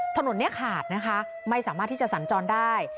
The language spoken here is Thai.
ถนนนี้ขาดนะคะไม่สามารถที่จะสัญจรได้